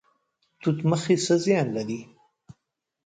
توت مخي څه زیان لري؟